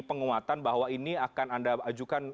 penguatan bahwa ini akan anda ajukan